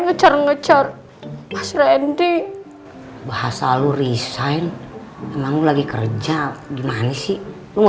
ngejar ngejar mas rendy bahasa lu resign emang lagi kerja gimana sih lu